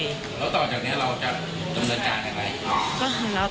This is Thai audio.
แล้วต่อจากนี้เราจะตำรวจจ่างอะไร